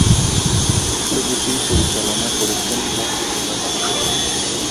ছবিটি পরিচালনা করেছেন মতিন রহমান।